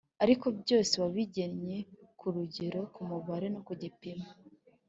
Ariko byose wabigennye ku rugero, ku mubare, no ku gipimo.